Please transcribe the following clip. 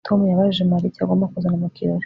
Tom yabajije Mariya icyo agomba kuzana mu kirori